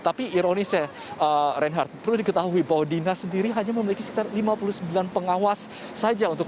tapi ironisnya reinhardt perlu diketahui bahwa dinas sendiri hanya memiliki sekitar lima puluh sembilan pengawas saja untuk